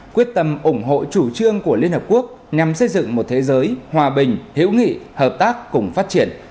quyết tâm ủng hộ chủ trương của liên hợp quốc nhằm xây dựng một thế giới hòa bình hiểu nghị hợp tác cùng phát triển